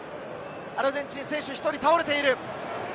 アルゼンチン選手、１人倒れている。